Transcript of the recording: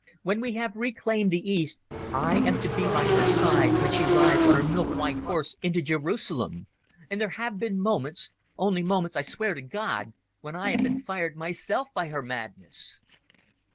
When we have reclaimed the East I am to be by her side when she rides on her milk white horse into Jerusalem ... And there have been moments—only moments, I swear to God—when I have been fired myself by her madness